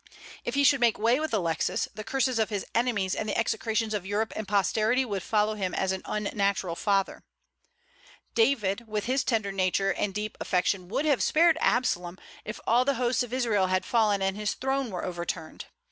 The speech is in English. If he should make way with Alexis, the curses of his enemies and the execrations of Europe and posterity would follow him as an unnatural father. David, with his tender nature and deep affection, would have spared Absalom if all the hosts of Israel had fallen and his throne were overturned.